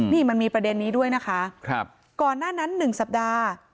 นี่มันมีประเด็นนี้ด้วยนะคะก่อนหน้านั้น๑สัปดาห์